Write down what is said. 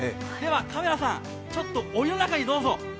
カメラさん、ちょっとお湯の中にどうぞ。